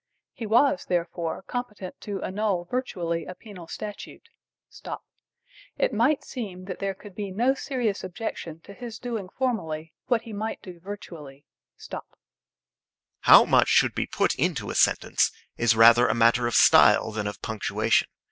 He was, therefore, competent to annul virtually a penal statute. It might seem that there could be no serious objection to his doing formally what he might do virtually. How much should be put into a sentence is rather a matter of style than of punctuation.